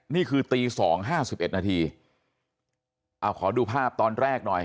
นี่คือตี๒๕๑นาทีเอาขอดูภาพตอนแรกหน่อย